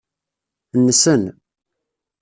Nnsen.